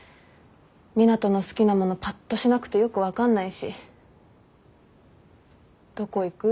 湊斗の好きなものぱっとしなくてよく分かんないしどこ行く？